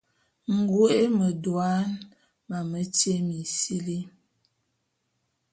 Ngoe medouan, mametye minsili.